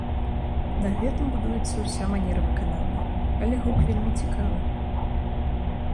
На гэтым будуецца ўся манера выканання, але гук вельмі цікавы.